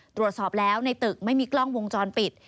ตรวจสอบแล้วในตึกไม่มีกล้องวงจรปิด